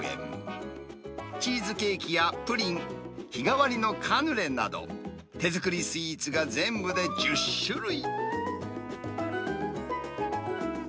チーズケーキやプリン、日替わりのカヌレなど、手作りスイーツが全部で１０種類。